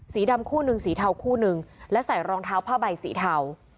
สีดำคู่หนึ่งสีเทาคู่หนึ่งและใส่รองเท้าผ้าใบสีเทา